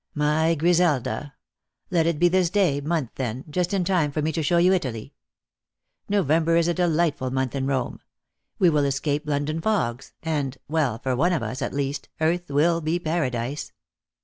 " My Griselda! Let it be this day month, then — just in time tor me to show you Italy. November is a delightful month in 254 ijost Jor Liove. Rome. We will escape London fogs ; and — well, for one of ub, at least, earth will be paradise."